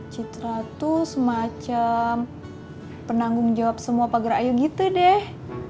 citra tuh semacam penanggung jawab semua pagar ayu gitu deh